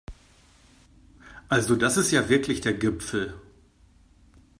Also das ist ja wirklich der Gipfel!